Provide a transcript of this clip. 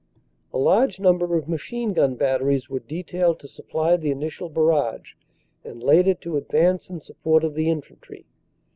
a A large number of Machine Gun batteries were detailed to supply the initial barrage and, later, to advance in support of the Infantry.